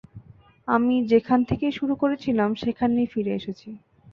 আমি যেখান থেকেই শুরু করেছিলাম সেখানেই ফিরে এসেছি।